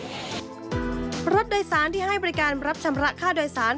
รถโดยสารที่ให้บริการรับชำระค่าโดยสาร